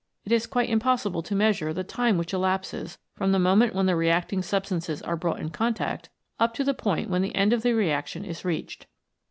It is quite impossible to measure the time which elapses from the moment when the reacting substances are brought in contact up to the moment when the end of the reaction is reached.